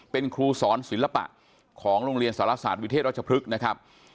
เป็นครูสอนศิลปะของโรงเรียนสารศาสตร์วิเทศรัชพฤกษ์นะครับ